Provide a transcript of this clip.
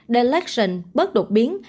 the lexion bớt đột biến